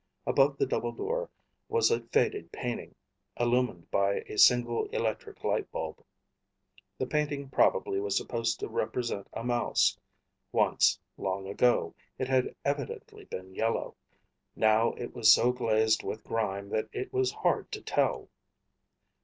Above the double door was a faded painting, illumined by a single electric light bulb. The painting probably was supposed to represent a mouse. Once, long ago, it had evidently been yellow. Now it was so glazed with grime that it was hard to tell.